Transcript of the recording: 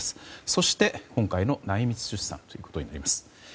そして今回の内密出産ということになります。